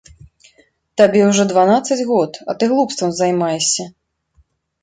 Табе ўжо дванаццаць год, а ты глупствам займаешся.